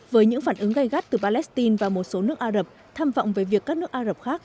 với những phản ứng gây gắt từ palestine và một số nước ả rập tham vọng về việc các nước ả rập khác